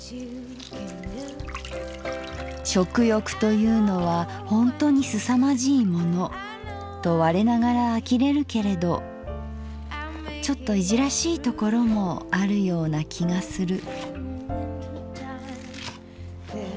「食欲というのはほんとにすさまじいものと我ながら呆れるけれどちょっといじらしいところもあるような気がする」。